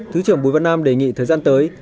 thứ trưởng bùi văn nam đề nghị thời gian tới